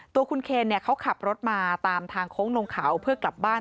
ตัวคุณเคนเขาขับรถมาตามทางโค้งลงเขาเพื่อกลับบ้าน